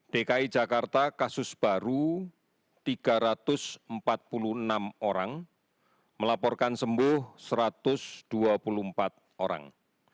dki jakarta kasus baru tiga ratus empat puluh enam orang melaporkan sembuh satu ratus dua puluh empat orang